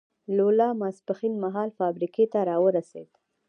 لولا ماسپښین مهال فابریکې ته را ورسېد.